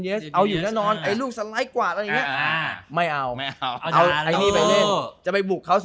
ก็ไปเลยเนี่ยพลุชมันเป็นชี่เก่า